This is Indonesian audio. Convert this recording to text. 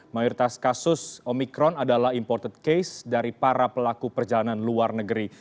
mayoritas kasus omikron adalah imported case dari para pelaku perjalanan luar negeri